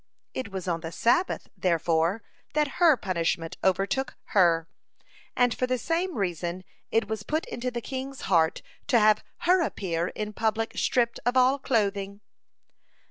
It was on the Sabbath, therefore, that her punishment overtook her, and for the same reason it was put into the king's heart to have her appear in public stripped of all clothing.